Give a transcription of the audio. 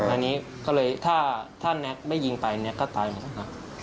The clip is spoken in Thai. อันนี้ก็เลยถ้าแน็กได้ยิงไปเนี่ยก็ตายหมดครับ